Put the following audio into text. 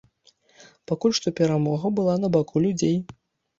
Пакуль што перамога была на баку людзей.